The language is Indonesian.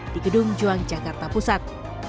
di gedung juang jakarta pusat